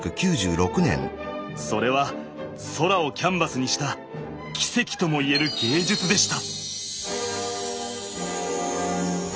それは空をキャンバスにした奇跡ともいえる芸術でした。